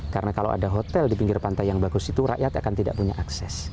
karena kalau ada hotel di pinggir pantai yang bagus itu rakyat akan tidak punya akses